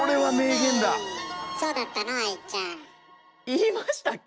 言いましたっけ？